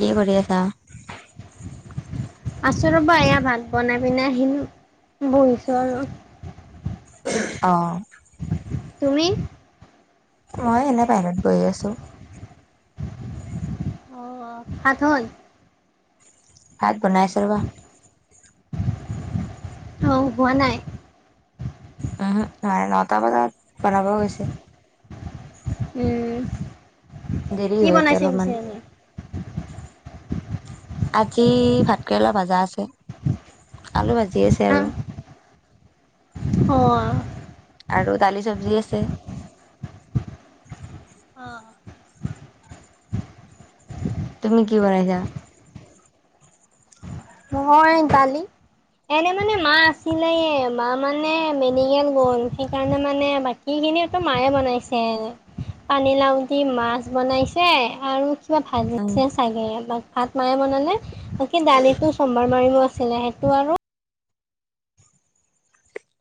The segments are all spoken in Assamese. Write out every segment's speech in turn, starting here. কি কৰি আছা [inaudible] আছো ৰ'বা এয়া ভাত বনাই পিনে আহিলো বহিছো আৰু অ তুমি মই এনে বাহিৰত গৈ আছো অ অ সাতল ভাত বনাইছ বাা অ হোৱা নাই উম নাৰে নটা বজাত বনাব গৈছিল দেৰি কি হৈ আছে বনাইছে অলপমান। বিুচাৰ এনে আজি ভাতকেৰেলা ভাজা আছে আলু ভাজি আছে হা আৰু অ আৰু দালি চব্জি আছে অ', তুমি কি কৰাইছা নয় তালি এনে মানে মা আছিলে মা মানে মেডিকেল গ'ল সেইকাৰণে মানে সিখিনিো মায়ে বনাইছে পানীলাও দি মাছ বনাইছে আৰু কিবা উম, ভাজিছে চাগে ভাত মাৰে বনালে ব সেই দালিটো মাৰিমো আছিলে সেইটো আৰু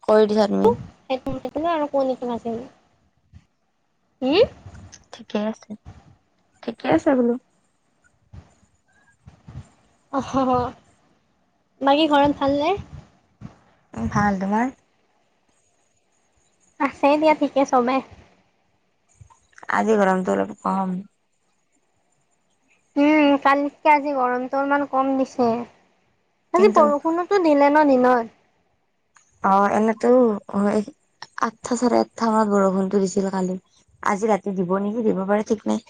কৰি দিছা তুমি সেইটোো আৰু ক ন নাছিল উম ঠিকে আছে ঠিকে আছে বোলো অ বাকী ঘৰত ভালনে ভাল তোমাৰ আছে দিয়া ঠিকে চবে আজি গৰমটোো অলপ কম উম কালিতকে আজি গৰমতটো ইমান কম দিছে আজি কিন্তু বৰষুণত নিলে ন নি নয় অ এনেতো আঠটা চাৰে আঠটা মানত বৰষুণটো দিছিল কালি আজি ৰাতি দিব নেকি দিব পাৰে ঠিক নাই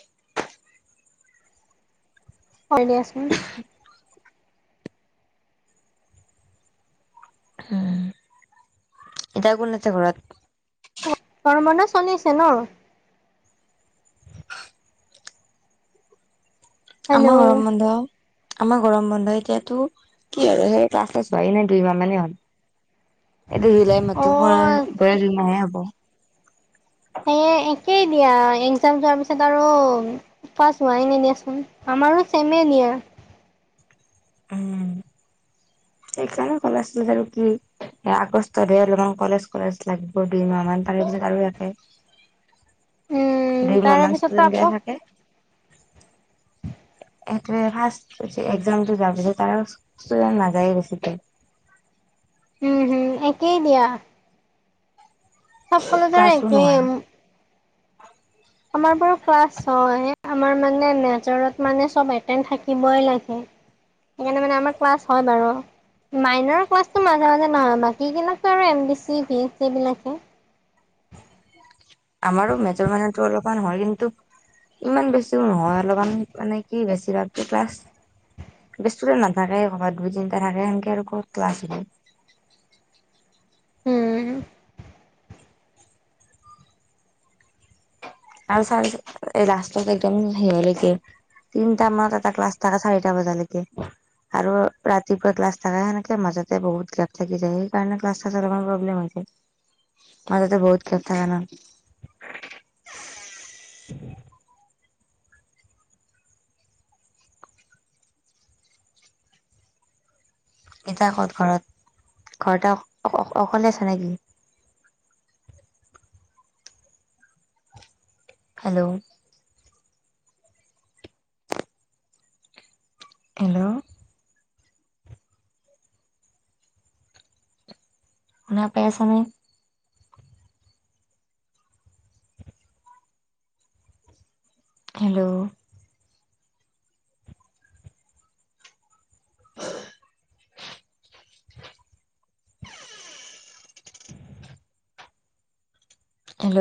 হয় দিয়াচোন উম এতিয়া কোন আছে ঘৰত তৰ্মনা চলিছে ন আম ৰৰম হেল্ল' দ আমাৰ গৰম বন্ধ এতিয়াতো কি আৰু সেই ক্লাছাছ হোৱাই নাই দুই মাহ মানে হ'ল এইটো জুলাই অ মাতো ম বয়ী মাহে হব সেে একেই দিয়া এক্জাম যোৱাৰ পিছত আৰু াছ হোৱাই নে দিয়াচোন আমাৰো চেমে নিয়া সেইকাৰণ কল আছিল তাৰ কি এ আগষ্টতহে অলপমান কলেজ কলেজ লাগিব দুইমাহ মান তাৰে পিছত আৰু থাকে উম দুই তাৰে পিছতো মাহানমান বেয়া আকৌ থাকে এইটোৱে ফাৰ্ষ এক্জামতটো যোৱাৰ পিছত তাৰ ষ্টুডেন্ট নাযায় বেছিকে উম হম একেই দিয়া চব কলেজৰ ক্লাছো একেই নহয় আমাৰ বাৰ ক্লাছ হয় আমাৰ মানে মজৰত মানে চব এটেড থাকিবই লাগে সেইকাৰণে মানে আমাৰ ক্লাছ হয় বাৰু মাইনৰ ক্লাছটো মাজে মাজে নহয় বাকীগিলাকো আৰু M B C B A C এই বিিলাকে আমাৰো মেজৰ মৰো অলপমান হয় কিন্তু ইমান বেছিও নহয় অলপমান মানে কি বেছি ল ক্লাছ ব ষ্টুডেণ্ট নাথাকে কৰবাত দুই তিটা থাকে সেনেকে আৰু ক' ক্লাছিলি উম আৰু চ লাষ্টত একদম সেই লক তিনটা মানত এটা ক্লাছ থাককা চাৰিটা বজালৈকে আৰু ৰাতিপুৱা ক্লাছ থাকাই সেনেকে মাজতে বহুত গেপ থাকি যায় সেইকাৰণে ক্লাছাত অলপমান প্ৰব্লেম হৈ হৈছে উ মই তাতে বহুত ক্ষথা হয় ন [inaudible] এতয়া আত ঘৰত ঘৰতেটা অ অকলে আছে নেকি হেল্ল' হেল্ল' ম পে আছানে হেল্ল' হেল্ল'